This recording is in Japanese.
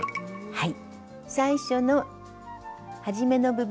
はい。